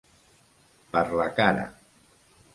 Per la cara.